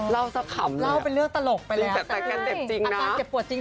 เล่าสักขำเลยอ่ะจริงแต่การเจ็บจริงนะอาการเจ็บปวดจริง